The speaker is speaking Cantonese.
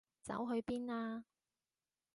走去邊啊？